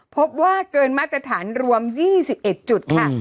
พบว่าเกินมาตรฐานรวม๒๑จุดค่ะ